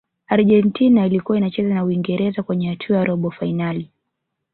argentina ilikuwa inacheza na uingereza kwenye hatua ya robo fainali